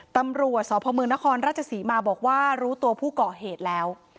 ตำรวจสพมนครราชศรีมาบอกว่ารู้ตัวผู้ก่อเหตุแล้ว